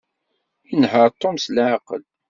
Inehheṛ Tom s leɛqel.